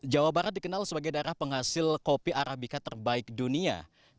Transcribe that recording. jawa barat dikenal sebagai daerah penghasil kopi arabica terbaik dunia